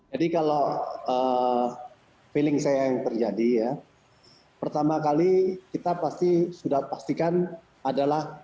jadi kalau feeling saya yang terjadi ya pertama kali kita sudah pastikan adalah